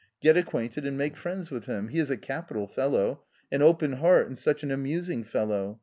Get acquainted and make friends with him — he is a capital fellow — an open heart, and such an amusing fellow.